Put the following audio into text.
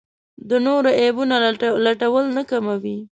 د نورو عیبونو لټول نه کموي.